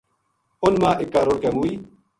اُن مااِکا رُڑھ کے موئی